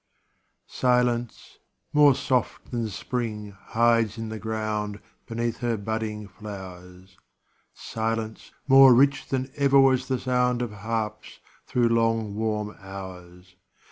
Silence more soft than spring hides in the ground Beneath her budding flowers; Silence more rich than ever was the sound Of harps through long warm hours.